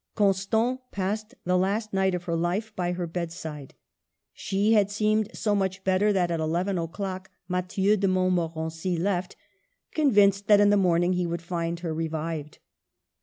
Constant passed the last night of her life by her bedside. She had seemed so much better that at eleven o'clock Mathieu de Montmorency left, convinced that in the morning he would find her revived.